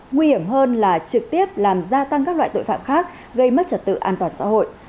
nguy hiểm hơn là trực tiếp làm gia tăng các loại tội phạm khác gây mất trật tự an toàn xã hội